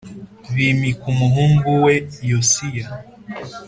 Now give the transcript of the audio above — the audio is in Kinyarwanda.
bimika umuhungu we Yosiya